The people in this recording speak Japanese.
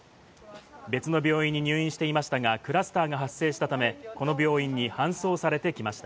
別の病院に入院していましたが、クラスターが発生したため、この病院に搬送されてきました。